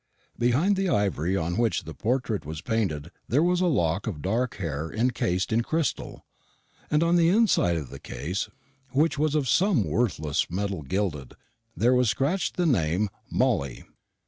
Behind the ivory on which the portrait was painted there was a lock of dark hair incased in crystal; and on the inside of the case, which was of some worthless metal gilded, there was scratched the name "Molly."